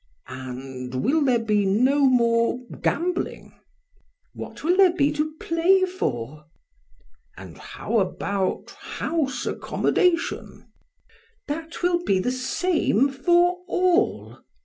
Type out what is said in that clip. And will there be no more gambling? PRAX. What will there be to play for? BLEPS. And how about house accommodation? PRAX. That will be the same for all.